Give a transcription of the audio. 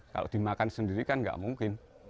kalau dimakan sendiri kan nggak mungkin